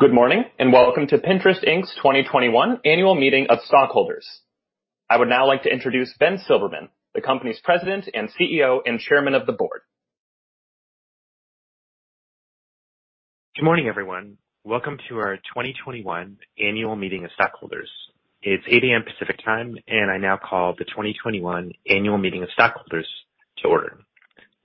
Good morning, and welcome to Pinterest, Inc.'s 2021 Annual Meeting of stockholders. I would now like to introduce Ben Silbermann, the company's President and CEO, and Chairman of the Board. Good morning, everyone. Welcome to our 2021 Annual Meeting of stockholders. It's 8:00 A.M. Pacific Time, I now call the 2021 Annual Meeting of stockholders to order.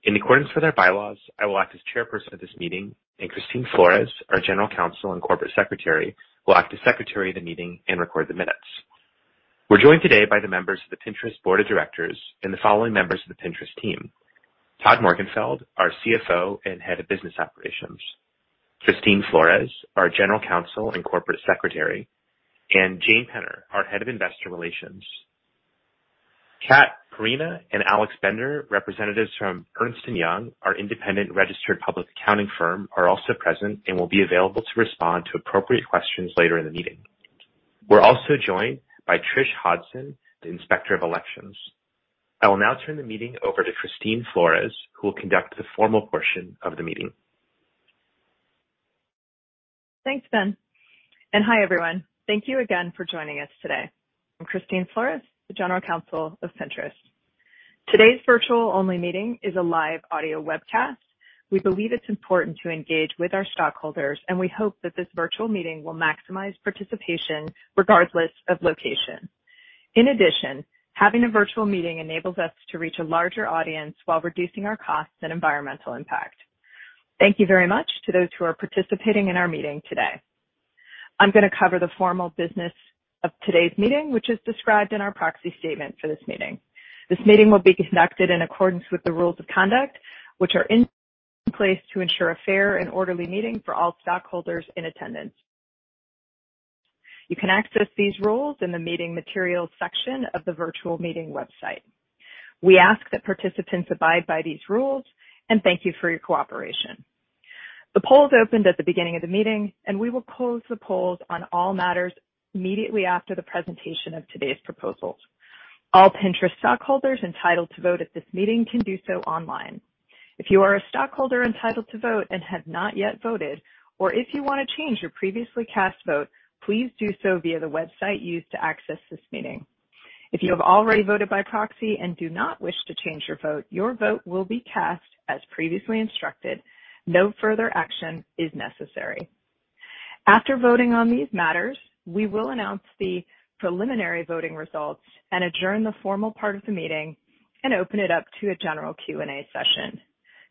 In accordance with our bylaws, I will act as chairperson of this meeting, and Christine Flores, our General Counsel and Corporate Secretary, will act as Secretary of the meeting and record the minutes. We're joined today by the members of the Pinterest Board of Directors and the following members of the Pinterest team: Todd Morgenfeld, our CFO and Head of Business Operations, Christine Flores, our General Counsel and Corporate Secretary, and Jane Penner, our Head of Investor Relations. Katrina and Alex Bender, representatives from Ernst & Young, our independent registered public accounting firm, are also present and will be available to respond to appropriate questions later in the meeting. We're also joined by Trish Hodgson, the Inspector of Elections. I will now turn the meeting over to Christine Flores, who will conduct the formal portion of the meeting. Thanks, Ben. Hi, everyone. Thank you again for joining us today. I'm Christine Flores, the General Counsel of Pinterest. Today's virtual-only meeting is a live audio webcast. We believe it's important to engage with our stockholders, and we hope that this virtual meeting will maximize participation regardless of location. In addition, having a virtual meeting enables us to reach a larger audience while reducing our costs and environmental impact. Thank you very much to those who are participating in our meeting today. I'm going to cover the formal business of today's meeting, which is described in our proxy statement for this meeting. This meeting will be conducted in accordance with the rules of conduct, which are in place to ensure a fair and orderly meeting for all stockholders in attendance. You can access these rules in the Meeting Materials section of the virtual meeting website. We ask that participants abide by these rules, and thank you for your cooperation. The polls opened at the beginning of the meeting, and we will close the polls on all matters immediately after the presentation of today's proposals. All Pinterest stockholders entitled to vote at this meeting can do so online. If you are a stockholder entitled to vote and have not yet voted, or if you want to change your previously cast vote, please do so via the website used to access this meeting. If you have already voted by proxy and do not wish to change your vote, your vote will be cast as previously instructed. No further action is necessary. After voting on these matters, we will announce the preliminary voting results and adjourn the formal part of the meeting and open it up to a general Q&A session.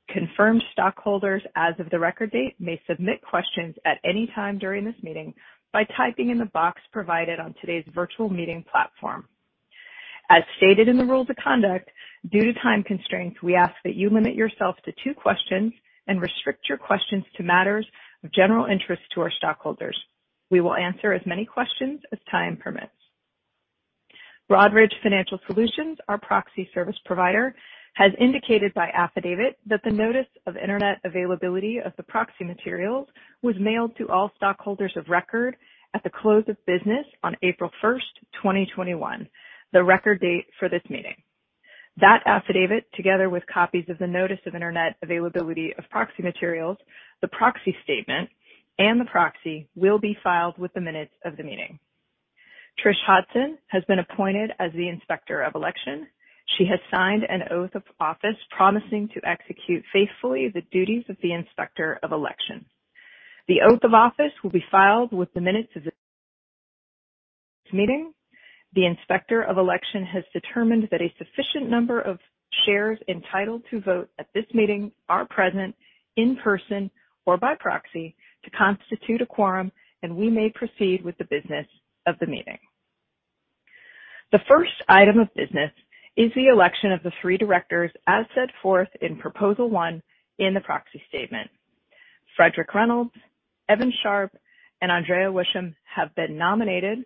Confirmed stockholders as of the record date may submit questions at any time during this meeting by typing in the box provided on today's virtual meeting platform. As stated in the rules of conduct, due to time constraints, we ask that you limit yourself to two questions and restrict your questions to matters of general interest to our stockholders. We will answer as many questions as time permits. Broadridge Financial Solutions, our proxy service provider, has indicated by affidavit that the notice of Internet availability of the proxy materials was mailed to all stockholders of record at the close of business on April 1st, 2021, the record date for this meeting. That affidavit, together with copies of the notice of internet availability of proxy materials, the proxy statement, and the proxy, will be filed with the minutes of the meeting. Trish Hodgson has been appointed as the Inspector of Elections. She has signed an oath of office promising to execute faithfully the duties of the Inspector of Election. The oath of office will be filed with the minutes of this meeting. The Inspector of Election has determined that a sufficient number of shares entitled to vote at this meeting are present in person or by proxy to constitute a quorum. We may proceed with the business of the meeting. The first item of business is the election of the three Directors as set forth in Proposal one in the proxy statement. Fredric Reynolds, Evan Sharp, and Andrea Wishom have been nominated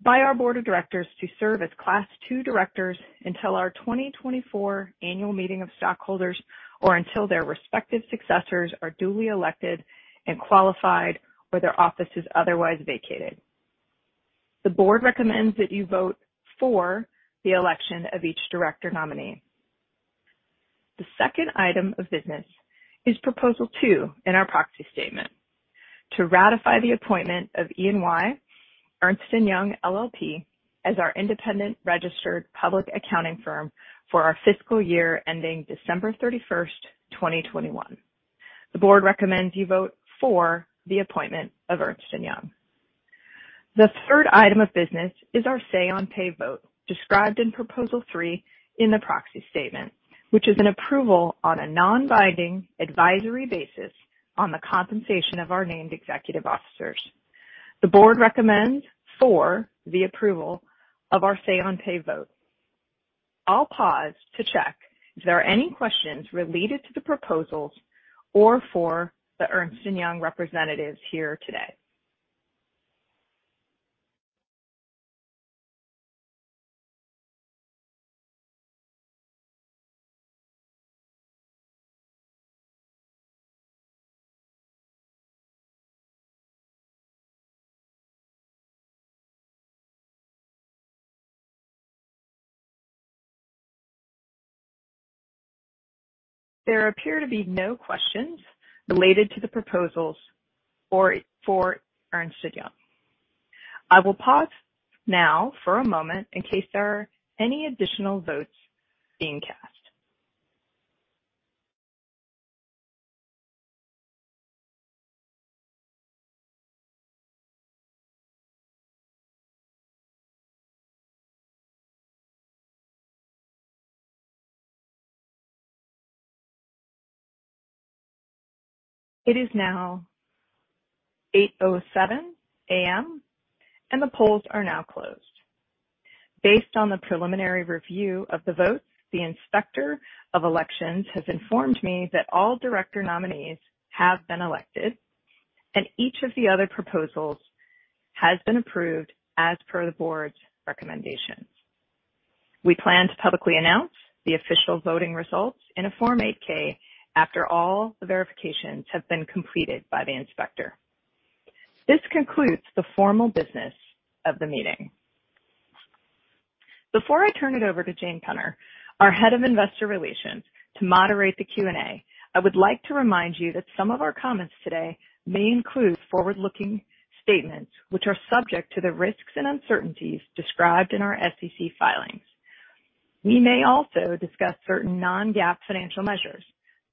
by our Board of Directors to serve as Class II directors until our 2024 annual meeting of stockholders or until their respective successors are duly elected and qualified or their office is otherwise vacated. The board recommends that you vote for the election of each director nominee. The second item of business is Proposal two in our proxy statement- to ratify the appointment of EY, Ernst & Young LLP, as our independent registered public accounting firm for our fiscal year ending December 31, 2021. The board recommends you vote for the appointment of Ernst & Young. The third item of business is our Say-on-Pay vote described in Proposal three in the proxy statement, which is an approval on a non-binding advisory basis on the compensation of our named executive officers. The board recommends for the approval of our Say-on-Pay vote. I'll pause to check if there are any questions related to the proposals or for the Ernst & Young representatives here today. There appear to be no questions related to the proposals for Ernst & Young. I will pause now for a moment in case there are any additional votes being cast. It is now 8:07 A.M., and the polls are now closed. Based on the preliminary review of the votes, the Inspector of Elections has informed me that all Director nominees have been elected, and each of the other proposals has been approved as per the board's recommendations. We plan to publicly announce the official voting results in a Form 8-K after all the verifications have been completed by the inspector. This concludes the formal business of the meeting. Before I turn it over to Jane Penner, our Head of Investor Relations, to moderate the Q&A, I would like to remind you that some of our comments today may include forward-looking statements, which are subject to the risks and uncertainties described in our SEC filings. We may also discuss certain non-GAAP financial measures.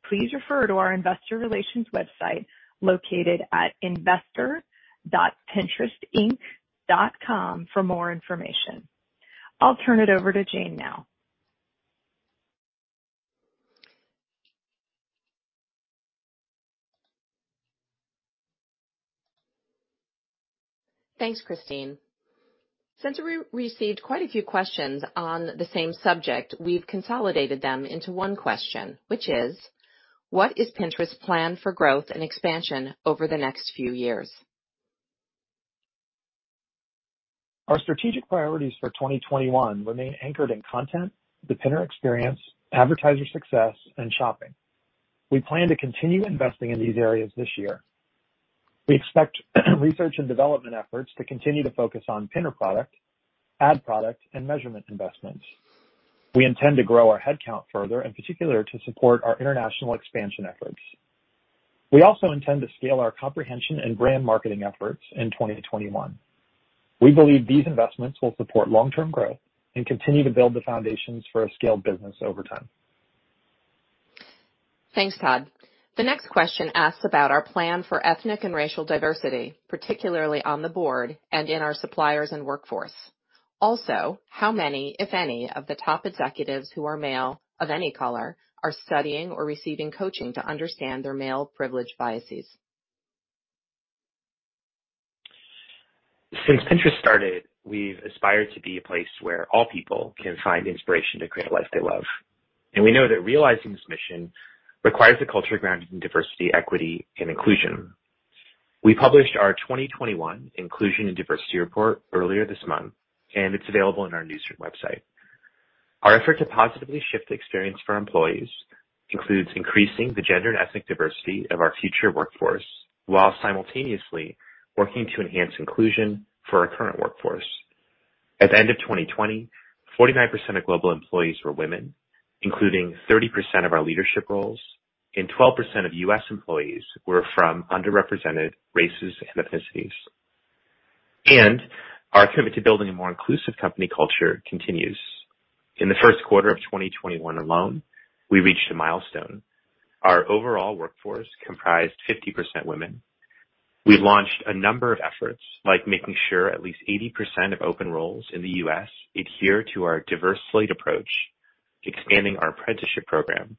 Please refer to our investor relations website located at investor.pinterest.com for more information. I'll turn it over to Jane now. Thanks, Christine. Since we received quite a few questions on the same subject, we've consolidated them into one question, which is, what is Pinterest's plan for growth and expansion over the next few years? Our strategic priorities for 2021 remain anchored in content, the Pinner experience, advertiser success, and shopping. We plan to continue investing in these areas this year. We expect research and development efforts to continue to focus on Pinner product, ad product, and measurement investments. We intend to grow our headcount further, in particular to support our international expansion efforts. We also intend to scale our comprehension and brand marketing efforts in 2021. We believe these investments will support long-term growth and continue to build the foundations for a scaled business over time. Thanks, Todd. The next question asks about our plan for ethnic and racial diversity, particularly on the board and in our suppliers and workforce. How many, if any, of the top executives who are male, of any color, are studying or receiving coaching to understand their male privilege biases? Since Pinterest started, we've aspired to be a place where all people can find inspiration to create a life they love, and we know that realizing this mission requires a culture grounded in diversity, equity, and inclusion. We published our 2021 Inclusion and Diversity Report earlier this month, and it's available on our Newsroom website. Our effort to positively shift the experience for our employees includes increasing the gender and ethnic diversity of our future workforce while simultaneously working to enhance inclusion for our current workforce. At the end of 2020, 49% of global employees were women, including 30% of our leadership roles, and 12% of U.S. employees were from underrepresented races and ethnicities. Our commitment to building a more inclusive company culture continues. In the first quarter of 2021 alone, we reached a milestone. Our overall workforce comprised 50% women. We've launched a number of efforts, like making sure at least 80% of open roles in the U.S. adhere to our diverse slate approach, expanding our apprenticeship program,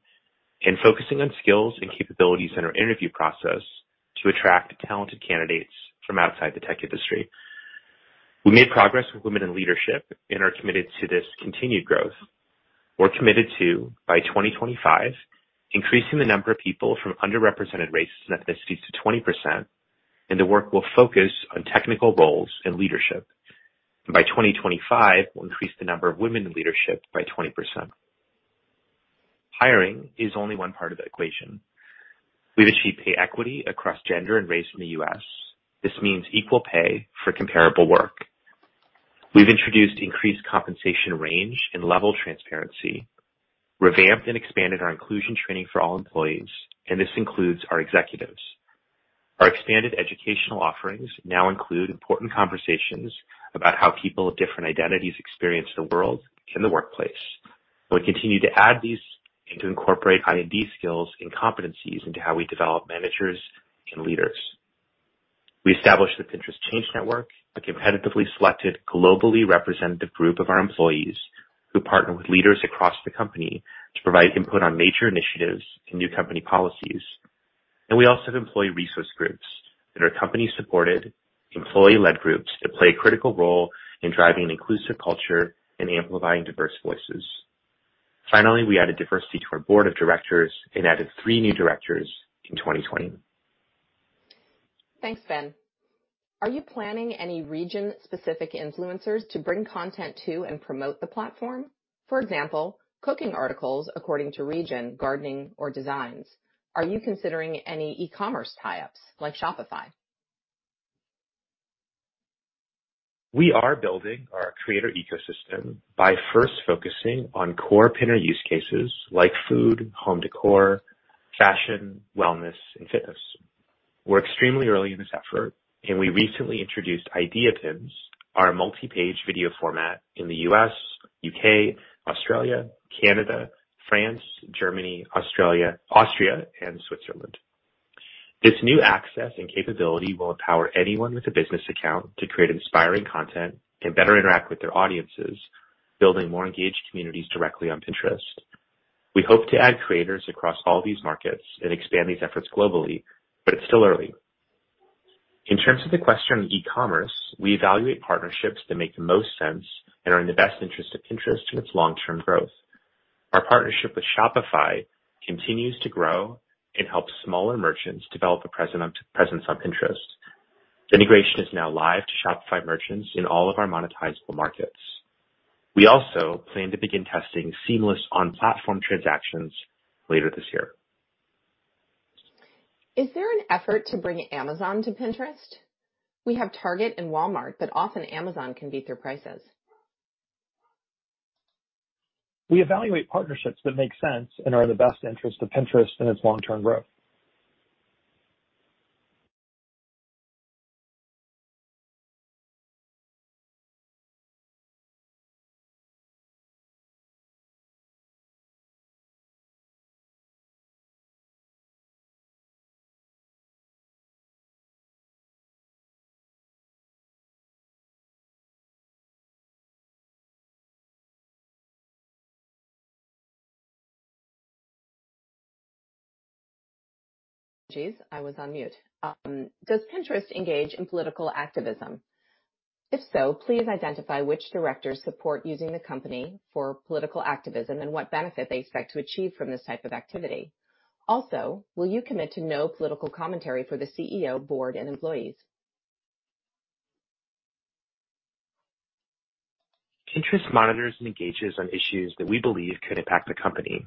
and focusing on skills and capabilities in our interview process to attract talented candidates from outside the tech industry. We made progress with women in leadership and are committed to this continued growth. We're committed to, by 2025- increasing the number of people from underrepresented races and ethnicities to 20%, and the work will focus on technical roles and leadership. By 2025, we'll increase the number of women in leadership by 20%. Hiring is only one part of the equation. We've achieved pay equity across gender and race in the U.S. This means equal pay for comparable work. We've introduced increased compensation range and level transparency, revamped and expanded our inclusion training for all employees, and this includes our executives. Our expanded educational offerings now include important conversations about how people of different identities experience the world in the workplace. We'll continue to add these and to incorporate I&D skills and competencies into how we develop managers and leaders. We established the Pinterest Change Network, a competitively selected, globally representative group of our employees who partner with leaders across the company to provide input on major initiatives and new company policies, and we also have employee resource groups that are company-supported, employee-led groups that play a critical role in driving an inclusive culture and amplifying diverse voices. Finally, we added diversity to our Board of Directors and added three new directors in 2020. Thanks, Ben. Are you planning any region-specific influencers to bring content to and promote the platform? For example, cooking articles according to region, gardening, or designs. Are you considering any e-commerce tie-ups like Shopify? We are building our creator ecosystem by first focusing on core Pinner use cases like food, home decor, fashion, wellness, and fitness. We're extremely early in this effort, and we recently introduced Idea Pins, our multi-page video format in the U.S., U.K., Australia, Canada, France, Germany, Australia, Austria, and Switzerland. This new access and capability will empower anyone with a business account to create inspiring content and better interact with their audiences, building more engaged communities directly on Pinterest. We hope to add creators across all these markets and expand these efforts globally, but it's still early. In terms of the question on e-commerce, we evaluate partnerships that make the most sense and are in the best interest of Pinterest and its long-term growth. Our partnership with Shopify continues to grow and helps smaller merchants develop a presence on Pinterest. The integration is now live to Shopify merchants in all of our monetizable markets. We also plan to begin testing seamless on-platform transactions later this year. Is there an effort to bring Amazon to Pinterest? We have Target and Walmart, but often Amazon can beat their prices. We evaluate partnerships that make sense and are in the best interest of Pinterest and its long-term growth. Geez, I was on mute. Does Pinterest engage in political activism? If so, please identify which directors support using the company for political activism and what benefit they expect to achieve from this type of activity. Will you commit to no political commentary for the CEO, board, and employees? Pinterest monitors and engages on issues that we believe could impact the company.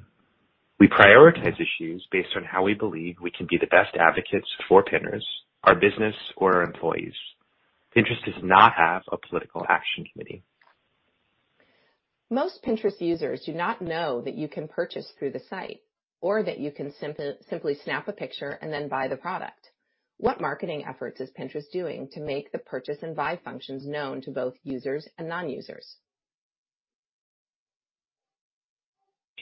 We prioritize issues based on how we believe we can be the best advocates for Pinners, our business, or our employees. Pinterest does not have a political action committee. Most Pinterest users do not know that you can purchase through the site or that you can simply snap a picture and then buy the product. What marketing efforts is Pinterest doing to make the purchase and buy functions known to both users and non-users?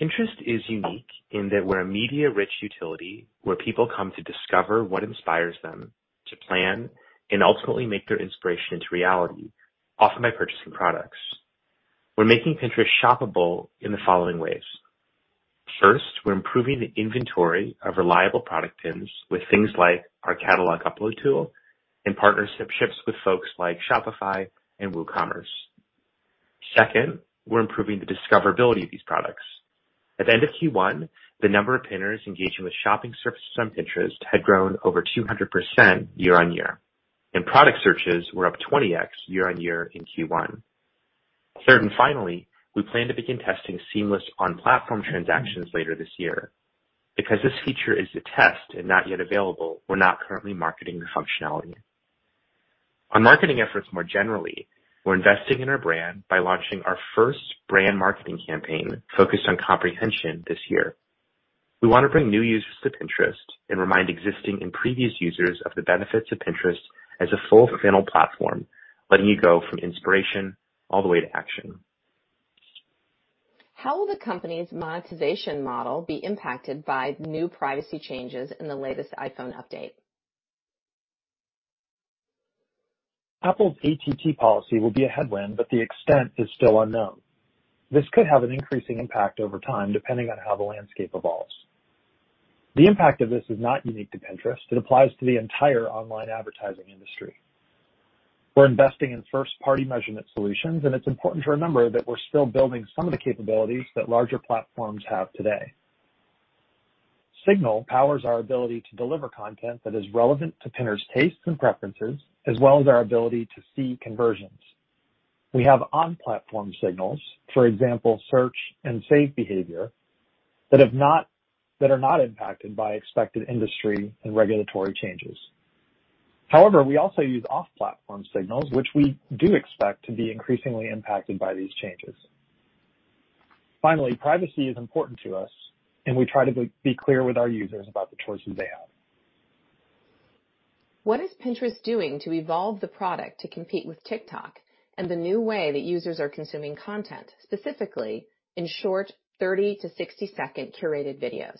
Pinterest is unique in that we're a media-rich utility where people come to discover what inspires them, to plan, and ultimately make their inspiration into reality, often by purchasing products. We're making Pinterest shoppable in the following ways. First, we're improving the inventory of reliable product pins with things like our catalog upload tool and partnerships with folks like Shopify and WooCommerce. Second, we're improving the discoverability of these products. At the end of Q1, the number of Pinners engaging with shopping surfaces on Pinterest had grown over 200% year-on-year, and product searches were up 20x year-on-year in Q1. Third, and finally, we plan to begin testing seamless on-platform transactions later this year. Because this feature is a test and not yet available, we're not currently marketing the functionality. On marketing efforts more generally, we're investing in our brand by launching our first brand marketing campaign focused on comprehension this year. We want to bring new users to Pinterest and remind existing and previous users of the benefits of Pinterest as a full-funnell platform, letting you go from inspiration all the way to action. How will the company's monetization model be impacted by new privacy changes in the latest iPhone update? Apple's ATT policy will be a headwind. The extent is still unknown. This could have an increasing impact over time, depending on how the landscape evolves. The impact of this is not unique to Pinterest. It applies to the entire online advertising industry. We're investing in first-party measurement solutions. It's important to remember that we're still building some of the capabilities that larger platforms have today. Signal powers our ability to deliver content that is relevant to Pinners' tastes and preferences, as well as our ability to see conversions. We have on-platform signals, for example, search and save behavior, that are not impacted by expected industry and regulatory changes. However, we also use off-platform signals, which we do expect to be increasingly impacted by these changes. Finally, privacy is important to us. We try to be clear with our users about the choices they have. What is Pinterest doing to evolve the product to compete with TikTok and the new way that users are consuming content, specifically in short 30-60-second curated videos?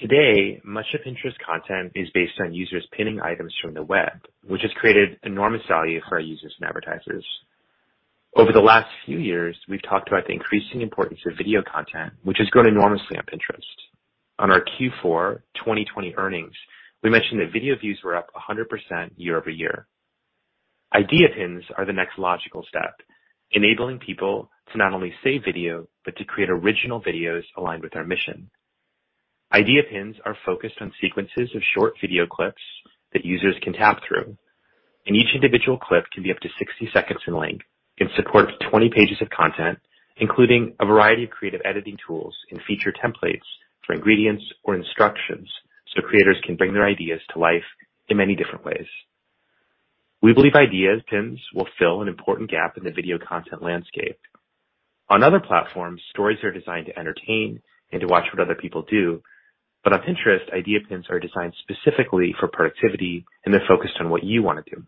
Today, much of Pinterest's content is based on users pinning items from the web, which has created enormous value for our users and advertisers. Over the last few years, we've talked about the increasing importance of video content, which has grown enormously on Pinterest. On our Q4 2020 earnings, we mentioned that video views were up 100% year-over-year. Idea Pins are the next logical step, enabling people to not only save video, but to create original videos aligned with our mission. Idea Pins are focused on sequences of short video clips that users can tap through. Each individual clip can be up to 60 seconds in length and support up to 20 pages of content, including a variety of creative editing tools and featured templates for ingredients or instructions, so creators can bring their ideas to life in many different ways. We believe Idea Pins will fill an important gap in the video content landscape. On other platforms, stories are designed to entertain and to watch what other people do, but on Pinterest, Idea Pins are designed specifically for productivity and to focus on what you want to do.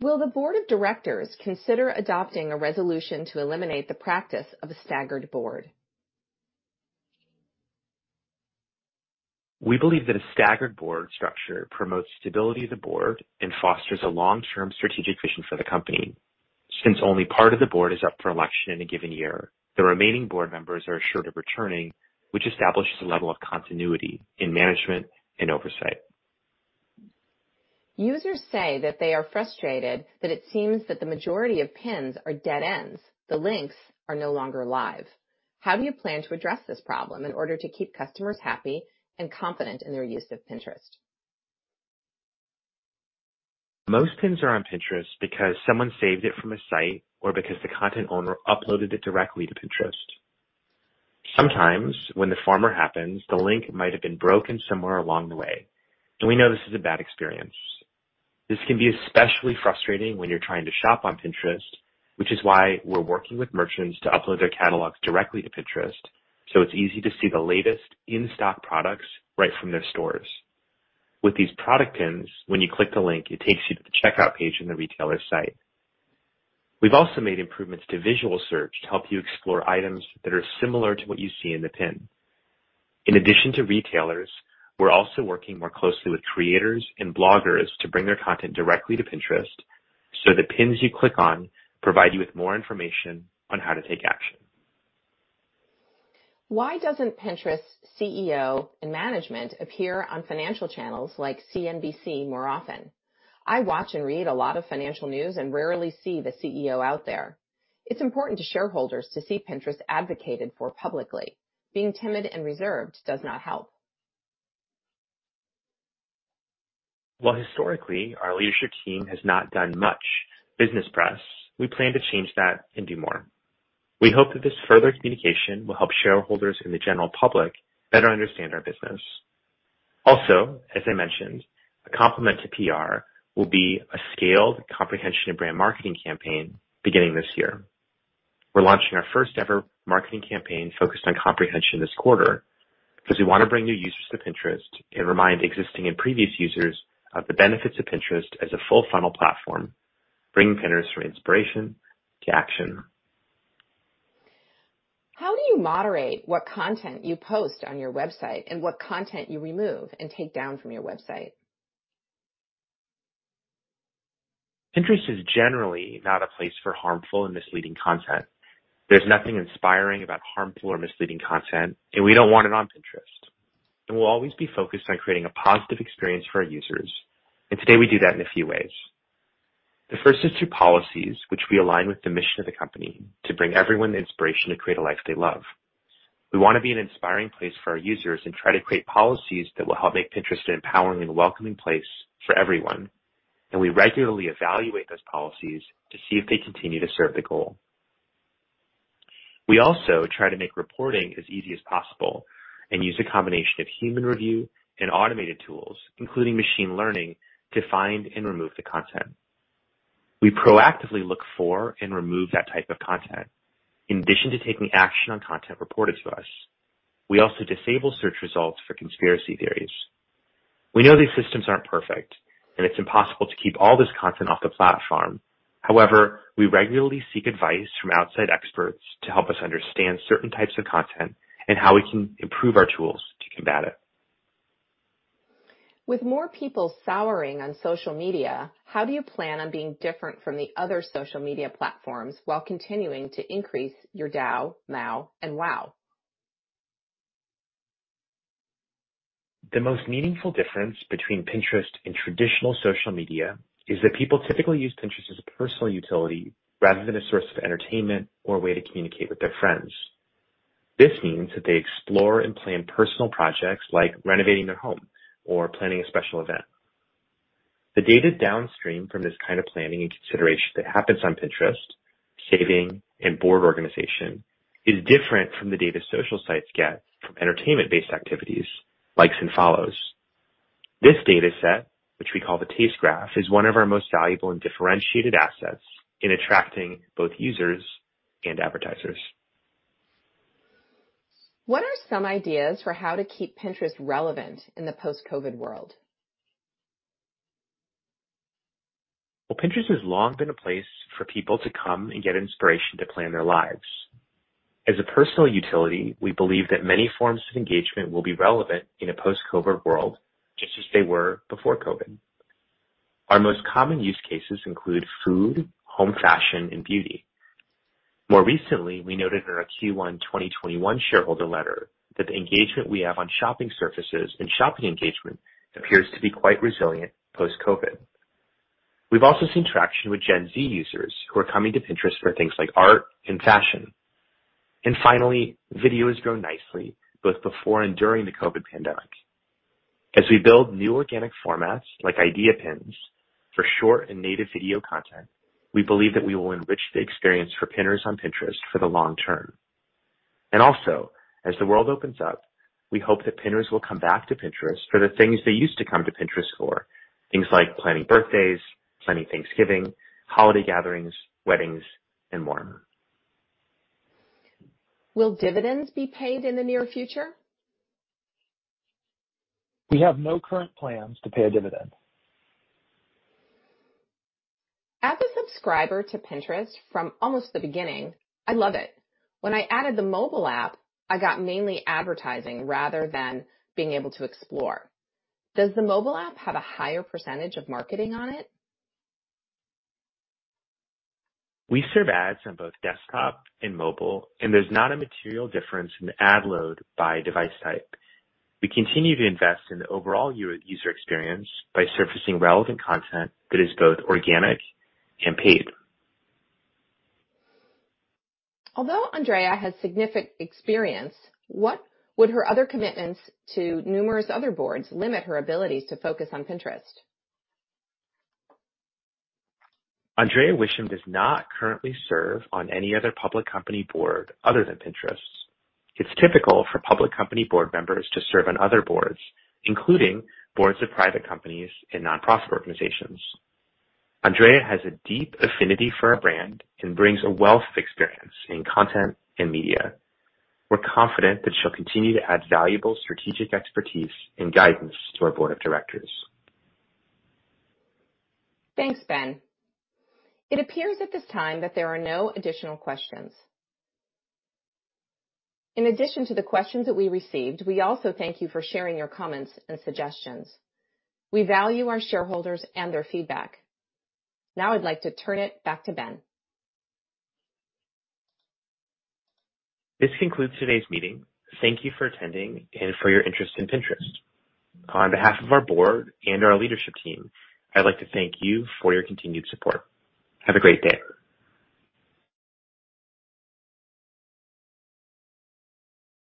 Will the Board of Directors consider adopting a resolution to eliminate the practice of a staggered board? We believe that a staggered board structure promotes stability of the board and fosters a long-term strategic vision for the company. Since only part of the board is up for election in a given year, the remaining board members are assured of returning, which establishes a level of continuity in management and oversight. Users say that they are frustrated that it seems that the majority of pins are dead ends. The links are no longer live. How do you plan to address this problem in order to keep customers happy and confident in their use of Pinterest? Most pins are on Pinterest because someone saved it from a site or because the content owner uploaded it directly to Pinterest. Sometimes, when the former happens, the link might have been broken somewhere along the way, and we know this is a bad experience. This can be especially frustrating when you're trying to shop on Pinterest, which is why we're working with merchants to upload their catalog directly to Pinterest, so it's easy to see the latest in-stock products right from their stores. With these product pins, when you click the link, it takes you to the checkout page on the retailer's site. We've also made improvements to visual search to help you explore items that are similar to what you see in the pin. In addition to retailers, we're also working more closely with creators and bloggers to bring their content directly to Pinterest, so the pins you click on provide you with more information on how to take action. Why doesn't Pinterest CEO and management appear on financial channels like CNBC more often? I watch and read a lot of financial news and rarely see the CEO out there. It's important to shareholders to see Pinterest advocated for publicly. Being timid and reserved does not help. While historically, our leadership team has not done much business press, we plan to change that and do more. We hope that this further communication will help shareholders and the general public better understand our business. Also, as I mentioned, a complement to PR will be a scaled comprehension and brand marketing campaign beginning this year. We're launching our first-ever marketing campaign focused on comprehension this quarter because we want to bring new users to Pinterest and remind existing and previous users of the benefits of Pinterest as a full-funnel platform, bringing Pinners from inspiration to action. How do you moderate what content you post on your website and what content you remove and take down from your website? Pinterest is generally not a place for harmful and misleading content. There's nothing inspiring about harmful or misleading content. We don't want it on Pinterest. We'll always be focused on creating a positive experience for our users. Today we do that in a few ways. The first is through policies which we align with the mission of the company to bring everyone the inspiration to create a life they love. We want to be an inspiring place for our users and try to create policies that will help make Pinterest an empowering and welcoming place for everyone. We regularly evaluate those policies to see if they continue to serve the goal. We also try to make reporting as easy as possible and use a combination of human review and automated tools, including machine learning, to find and remove the content. We proactively look for and remove that type of content. In addition to taking action on content reported to us, we also disable search results for conspiracy theories. We know these systems aren't perfect, and it's impossible to keep all this content off the platform. However, we regularly seek advice from outside experts to help us understand certain types of content and how we can improve our tools to combat it. With more people souring on social media, how do you plan on being different from the other social media platforms while continuing to increase your DAU, MAU, and WAU? The most meaningful difference between Pinterest and traditional social media is that people typically use Pinterest as a personal utility rather than a source of entertainment or a way to communicate with their friends. This means that they explore and plan personal projects like renovating their home or planning a special event. The data downstream from this kind of planning and consideration that happens on Pinterest, saving, and board organization is different from the data social sites get from entertainment-based activities- likes, and follows. This data set, which we call the Taste Graph, is one of our most valuable and differentiated assets in attracting both users and advertisers. What are some ideas for how to keep Pinterest relevant in the post-COVID world? Well, Pinterest has long been a place for people to come and get inspiration to plan their lives. As a personal utility, we believe that many forms of engagement will be relevant in a post-COVID world, just as they were before COVID. Our most common use cases include food, home fashion, and beauty. More recently, we noted in our Q1 2021 shareholder letter that the engagement we have on shopping surfaces and shopping engagement appears to be quite resilient post-COVID. We've also seen traction with Gen Z users who are coming to Pinterest for things like art and fashion. Finally, video has grown nicely both before and during the COVID pandemic. As we build new organic formats like Idea Pins for short and native video content, we believe that we will enrich the experience for pinners on Pinterest for the long term. Also, as the world opens up, we hope that pinners will come back to Pinterest for the things they used to come to Pinterest for- things like planning birthdays, planning Thanksgiving, holiday gatherings, weddings, and more. Will dividends be paid in the near future? We have no current plans to pay a dividend. As a subscriber to Pinterest from almost the beginning, I love it. When I added the mobile app, I got mainly advertising rather than being able to explore. Does the mobile app have a higher percentage of marketing on it? We serve ads on both desktop and mobile, and there's not a material difference in the ad load by device type. We continue to invest in the overall user experience by surfacing relevant content that is both organic and paid. Although Andrea has significant experience, would her other commitments to numerous other boards limit her ability to focus on Pinterest? Andrea Wishom does not currently serve on any other public company board other than Pinterest. It's typical for public company board members to serve on other boards, including boards of private companies and nonprofit organizations. Andrea has a deep affinity for our brand and brings a wealth of experience in content and media. We're confident that she'll continue to add valuable strategic expertise and guidance to our Board of Directors. Thanks, Ben. It appears at this time that there are no additional questions. In addition to the questions that we received, we also thank you for sharing your comments and suggestions. We value our shareholders and their feedback. Now I'd like to turn it back to Ben. This concludes today's meeting. Thank you for attending and for your interest in Pinterest. On behalf of our board and our leadership team, I'd like to thank you for your continued support. Have a great day.